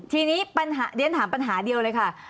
ทีนี้เดี๋ยวถามปัญหาเดียวเลยค่ะ